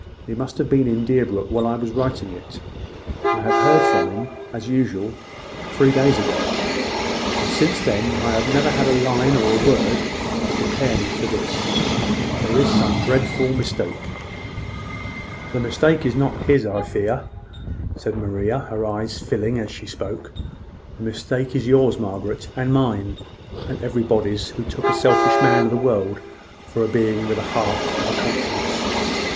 He must have been in Deerbrook while I was writing it. I heard from him, as usual, three days ago; and since then, I have never had a line or a word to prepare me for this. There is some dreadful mistake." "The mistake is not his, I fear," said Maria, her eyes filling as she spoke. "The mistake is yours, Margaret, and mine, and everybody's who took a selfish man of the world for a being with a heart and a conscience."